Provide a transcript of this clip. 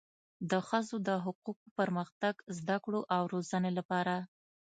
د ښځو د حقوقو، پرمختګ، زده کړو او روزنې لپاره